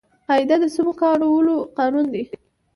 قاعده د سمو کارولو قانون دئ.